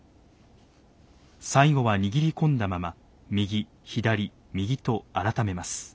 最後は握り込んだまま右左右とあらためます。